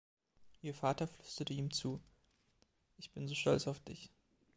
Ihr Vater flüsterte ihm zu: „Ich bin so stolz auf dich!“